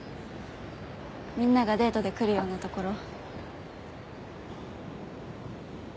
みんながデートで来るようなところ。